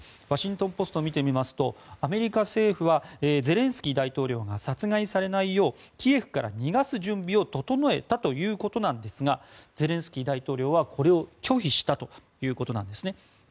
ワシントン・ポストを見てみますとアメリカ政府はゼレンスキー大統領が殺害されないようキエフから逃がす準備を整えたということですがゼレンスキー大統領はこれを拒否したということです。